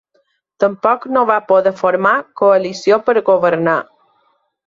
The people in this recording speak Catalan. Tampoc no va poder formar coalició per governar.